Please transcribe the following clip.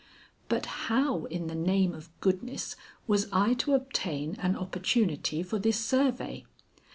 But how in the name of goodness was I to obtain an opportunity for this survey.